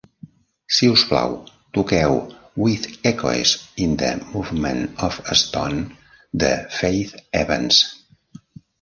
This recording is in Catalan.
Si us plau, toqueu With Echoes In The Movement Of Stone, de Faith Evans.